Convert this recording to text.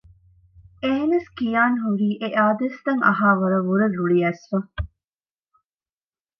އެހެނަސް ކިޔާންހުރީ އެއާދޭސްތައް އަހާވަރަށްވުރެ ރުޅިއައިސްފަ